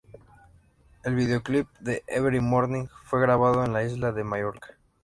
El videoclip de Every Morning fue grabado en la isla de Mallorca.